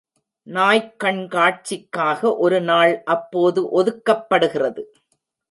நாய்க் கண்காட்சிக்காக ஒரு நாள் அப்போது ஒதுக்கப்படுகிறது.